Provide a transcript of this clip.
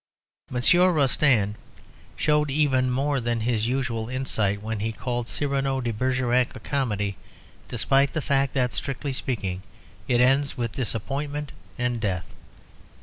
Monsieur Rostand showed even more than his usual insight when he called "Cyrano de Bergerac" a comedy, despite the fact that, strictly speaking, it ends with disappointment and death.